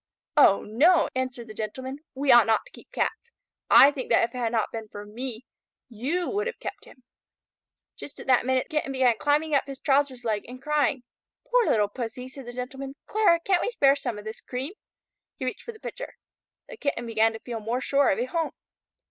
"Oh, no," answered the Gentleman. "We ought not to keep Cats. I think that if it had not been for me you would have kept him." Just at that minute the Kitten began climbing up his trousers leg and crying. "Poor little Pussy," said the Gentleman. "Clara, can't we spare some of this cream?" He reached for the pitcher. The Kitten began to feel more sure of a home.